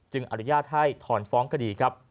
จึงอริยาทให้ถอนฟ้องคดี